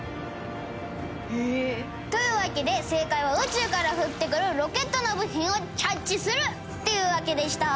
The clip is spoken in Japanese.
「というわけで正解は宇宙から降ってくるロケットの部品をキャッチするっていうわけでした」